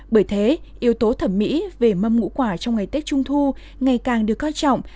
bởi thế yếu tố thẩm mỹ về mâm ngũ quả trong ngày tết trung thu ngày càng được coi trọng